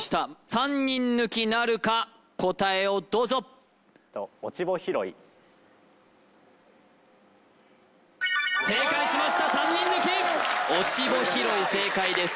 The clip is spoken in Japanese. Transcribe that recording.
３人抜きなるか答えをどうぞ正解しました３人抜き落穂拾い正解です